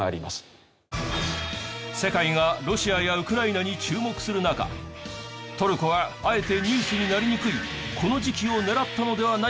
世界がロシアやウクライナに注目する中トルコはあえてニュースになりにくいこの時期を狙ったのではないか？